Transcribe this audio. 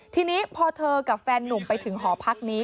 ทีนี้พอเธอกับแฟนนุ่มไปถึงหอพักนี้